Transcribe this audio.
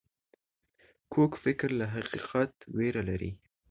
کوږ فکر له حقیقت ویره لري